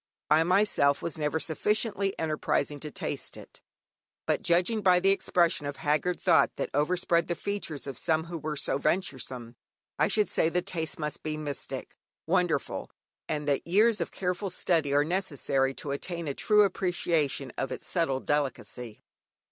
I myself was never sufficiently enterprising to taste it, but judging by the expression of haggard thought that overspread the features of some who were so venturesome, I should say the taste must be "mystic, wonderful," and that years of careful study are necessary to attain to a true appreciation of its subtle delicacy.